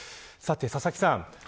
佐々木さん